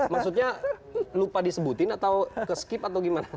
maksudnya lupa disebutin atau keskip atau gimana